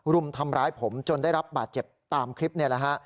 รุมทำร้ายผมจนได้รับบาดเจ็บตามคลิปนี่แหละฮะ